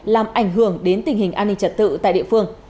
làm ảnh hưởng đến tình hình an ninh trật tự tại địa phương